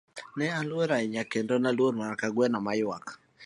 Ne aluor ahinya, kendo ne aluor mana ka gweno ma ywak.